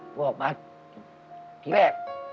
พ่อบอกมาที่แรก